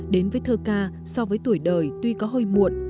đến với thơ ca so với tuổi đời tuy có hơi muộn